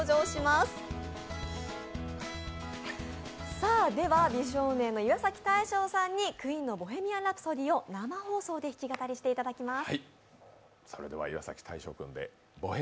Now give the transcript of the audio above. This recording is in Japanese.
さあ、では美少年の岩崎大昇さんにＱＵＥＥＮの「ボヘミアン・ラプソディ」を生放送で弾き語りしていただきます。